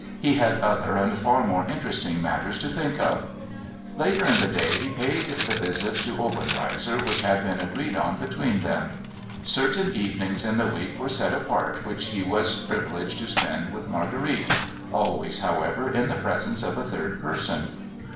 He had other and far more interesting matters to think of. Later in the day he paid the visit to Oben reizer which had been agreed on between them. Certain evenings in the week were set apart which he was privileged to spend with Marguerite — always, however, in the presence of a third person.